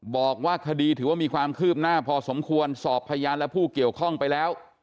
บอกว่าคดีถือว่ามีความคืบหน้าพอสมควรสอบพยานและผู้เกี่ยวข้องไปแล้ว